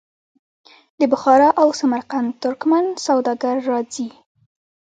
د بخارا او سمرقند ترکمن سوداګر راځي.